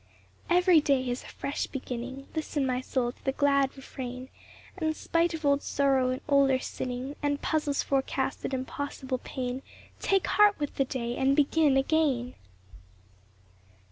Every day is a fresh beginning ; Listen, my soul, to the glad refrain, And, spite of old sorrow and older sinning, And puzzles forecasted and possible pain, Take heart with the day, and begin again.